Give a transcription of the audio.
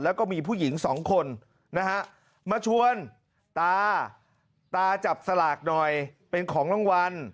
แล้วก็มีผู้หญิงสองคนนะฮะมาชวนตาตาจับสลากหน่อยเป็นของรางวัล